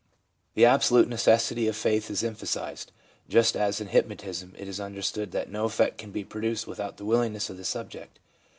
The absolute necessity of faith is emphasised, just as in hypnotism it is understood that no effect can be produced without the willingness of the subject.